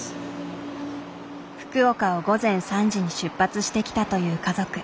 福岡を午前３時に出発してきたという家族。